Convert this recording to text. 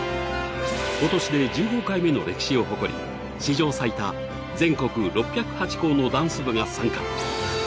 今年で１５回目の歴史を誇り史上最多全国６０８校のダンス部が参加。